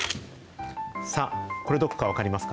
さあ、これ、どこか分かりますか？